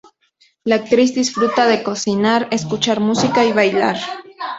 La actriz disfruta de cocinar, escuchar música y bailar.